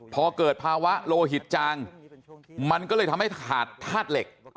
พอเกิดภาวะโลหิตจางมันก็เลยทำให้ขาดธาตุเหล็ก